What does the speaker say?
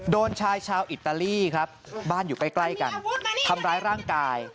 โดนชายชาวอิตาลีครับบ้านอยู่ใกล้กันทำร้ายร่างกาย